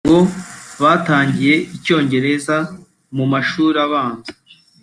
kuko ngo batangiye icyongereza mu mashuri abanza